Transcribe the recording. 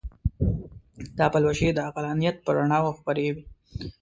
دا پلوشې د عقلانیت پر رڼاوو خپرې وې.